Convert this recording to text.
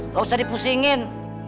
gak usah dipusingin